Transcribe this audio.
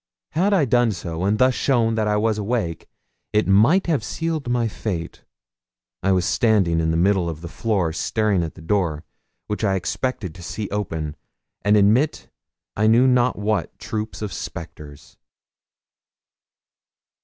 Had I done so, and thus shown that I was awake, it might have sealed my fate. I was standing in the middle of the floor staring at the door, which I expected to see open, and admit I knew not what troop of spectres.